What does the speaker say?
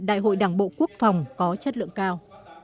đại hội đảng bộ quốc phòng có chất lượng cao